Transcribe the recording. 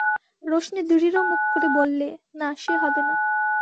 রোশনি দৃঢ়মুখ করে বললে, না, সে হবে না।